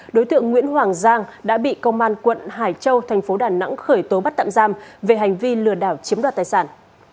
đối tượng nguyễn hoàng giang đã bị công an quận hải châu thành phố đà nẵng khởi tố bắt tạm giam về hành vi lừa đảo chiếm đoạt tài sản